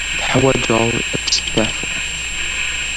Teḥwaǧeḍ ad testeɛfuḍ.